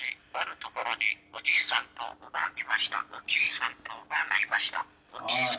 「おじいさんとおばあがいました」